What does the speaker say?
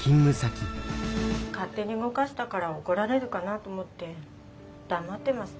勝手に動かしたから怒られるかなと思って黙ってました。